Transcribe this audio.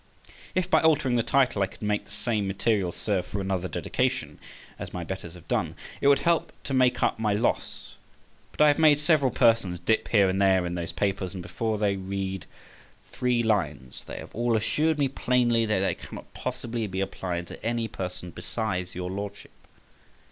If by altering the title I could make the same materials serve for another dedication (as my betters have done), it would help to make up my loss; but I have made several persons dip here and there in those papers, and before they read three lines they have all assured me plainly that they cannot possibly be applied to any person besides your Lordship.